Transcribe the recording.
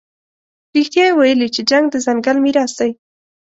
رښتیا یې ویلي چې جنګ د ځنګل میراث دی.